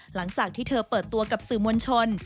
หลังจากที่เธอเปิดตัวกับสื่อมวลชน